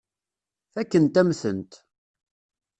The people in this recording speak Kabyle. Fakkent-am-tent.